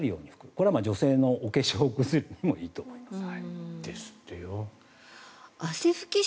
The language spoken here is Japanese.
これは女性のお化粧みたいでいいと思います。